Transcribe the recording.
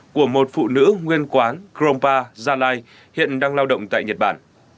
của một phụ nữ nguyên quán grompa gia lai hiện đang lao động tại nhật bản